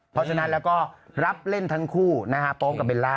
เพราะฉะนั้นแล้วก็รับเล่นทั้งคู่นะฮะโป๊ปกับเบลล่า